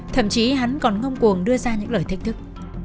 thậm chí hắn còn ngông cuồng đưa ra những lời thách thức